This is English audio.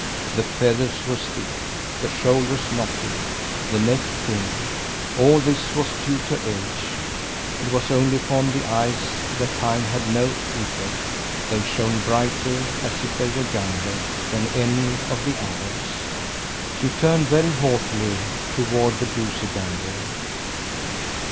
The feathers were stiff; the shoulders knotty; the neck thin. All this was due to age. It was only upon the eyes that time had had no effect. They shone brighter as if they were younger than any of the others! She turned, very haughtily, toward the goosey gander.